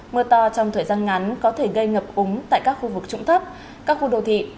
mưa to trong thời gian ngắn có thể gây ngập úng tại các khu vực trụng thấp các khu đô thị